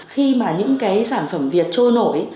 khi mà những cái sản phẩm việt trôi nổi